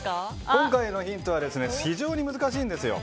今回のヒントは非常に難しいんですよ。